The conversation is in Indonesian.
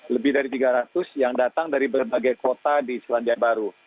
lebih dari tiga ratus yang datang dari berbagai kota di selandia baru